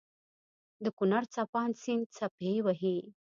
دکونړ څپانده سيند څپې وهي